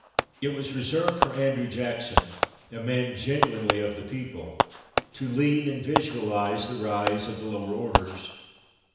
It was reserved for Andrew Jackson, a man genuinely of the people, to lead and visualize the rise of the lower orders.